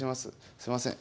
すいません。